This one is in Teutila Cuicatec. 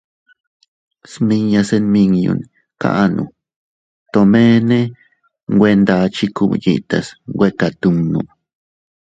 Smiñase nmiñon kaʼanu tomene nwe ndachi kub yitas nwe katunno.